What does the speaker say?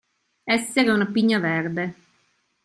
Essere una pigna verde.